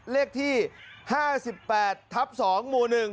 เลขที่๕๘ทับ๒หมู่๑